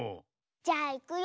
じゃあいくよ。